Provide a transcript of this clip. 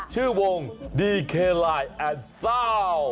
ชื่อวงดีเคลไลท์แอนด์ซาวน์